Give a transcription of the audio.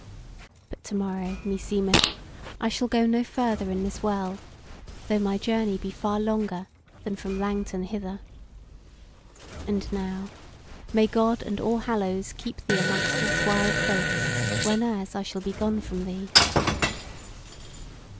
But to morrow, meseemeth, I shall go no further in this world, though my journey be far longer than from Langton hither. And now may God and All Hallows keep thee amongst this wild folk, whenas I shall be gone from thee."